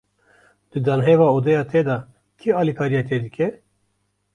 Di danheva odeya te de, kî alîkariya te dike?